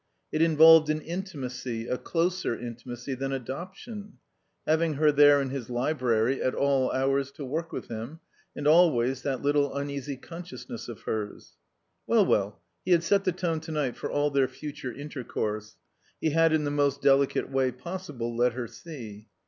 It involved an intimacy, a closer intimacy than adoption: having her there in his library at all hours to work with him; and always that little uneasy consciousness of hers. Well, well, he had set the tone to night for all their future intercourse; he had in the most delicate way possible let her see.